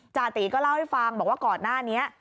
จาติก็เล่าให้ฟังบอกว่าก่อนหน้านี้